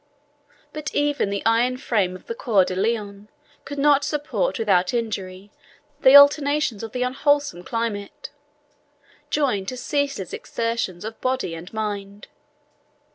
But even the iron frame of Coeur de Lion could not support without injury the alternations of the unwholesome climate, joined to ceaseless exertions of body and mind.